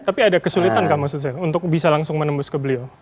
tapi ada kesulitan gak maksud saya untuk bisa langsung menembus ke beliau